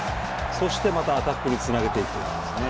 そしてまたアタックにつなげていくんですね。